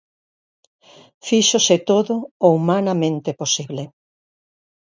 Fíxose todo o humanamente posible.